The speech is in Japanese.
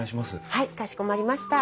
はいかしこまりました。